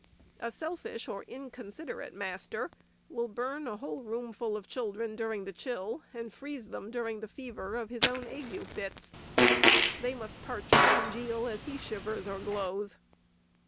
A selfish or inconsiderate mas ter will burn a whole roomful of children during the chill, and freeze them during the fever, of his own ague fits. They must parch or congeal, as he shivers or glows.